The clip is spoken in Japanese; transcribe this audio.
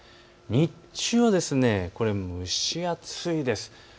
日中は蒸し暑いです。